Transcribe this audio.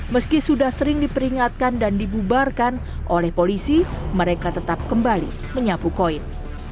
meski sudah sering diperingatkan dan dibubarkan oleh polisi mereka tetap kembali menyapu koin